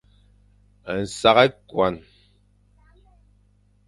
Nsak ekuan.